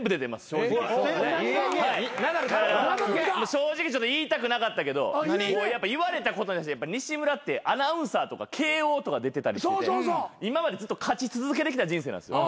正直言いたくなかったけど言われたことに対して西村ってアナウンサーとか慶應とか出てたりしてて今までずっと勝ち続けてきた人生なんですよ。